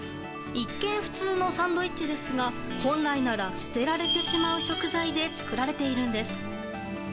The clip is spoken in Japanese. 一見、普通のサンドイッチですが本来なら捨てられてしまう食材で作られているんです。